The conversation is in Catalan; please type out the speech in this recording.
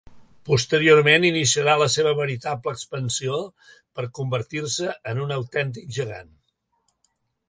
Posteriorment iniciarà la seva veritable expansió per convertir-se en un autèntic gegant.